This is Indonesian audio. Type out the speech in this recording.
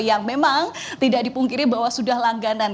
yang memang tidak dipungkiri bahwa sudah langganan